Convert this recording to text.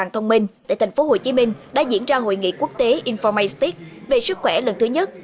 thông minh tại tp hcm đã diễn ra hội nghị quốc tế informastic về sức khỏe lần thứ nhất